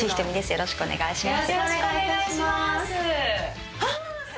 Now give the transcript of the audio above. よろしくお願いします。